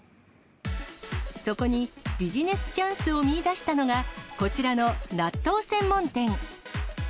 そこにビジネスチャンスを見いだしたのが、こちらの納豆専門店。